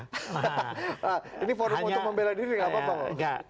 ini forum untuk membela diri nggak apa apa